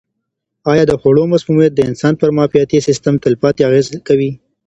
آیا د خوړو مسمومیت د انسان پر معافیتي سیستم تلپاتې اغېزه کوي؟